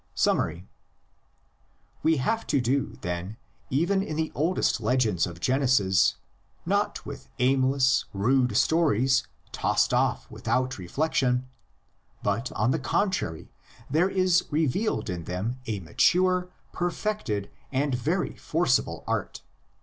SUMMARY. We have to do, then, even in the oldest legends of Genesis, not with aimless, rude stories, tossed off without reflexion, but on the contrary, there is revealed in them a mature, perfected, and very forcible art.